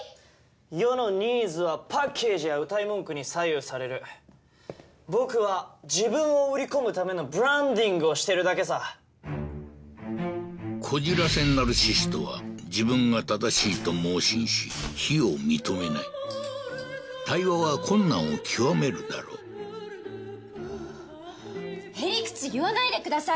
世のニーズはパッケージやうたい文句に左右される僕は自分を売り込むためのブランディングをしてるだけさこじらせナルシストは自分が正しいと妄信し非を認めない対話は困難を極めるだろうへ理屈言わないでください